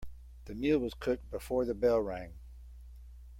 The meal was cooked before the bell rang.